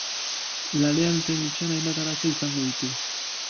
Lanean zein etxean hainbat arazo izango ditu.